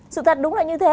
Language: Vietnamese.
sự thật đúng là như thế